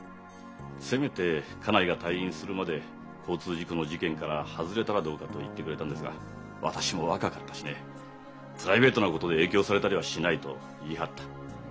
「せめて家内が退院するまで交通事故の事件から外れたらどうか」と言ってくれたんですが私も若かったしね「プライベートなことで影響されたりはしない」と言い張った。